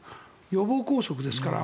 予防拘束ですから。